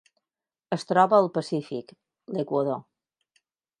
Es troba al Pacífic: l'Equador.